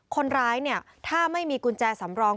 คนร้ายเนี่ยถ้าไม่มีกุญแจสำรอง